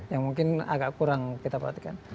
yang mungkin agak kurang kita perhatikan